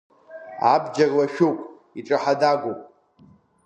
Абџьар лашәуп, иҿаҳа-дагәоуп…